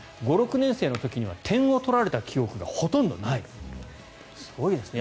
５、６年生の時は点を取られた記憶がほとんどないすごいですね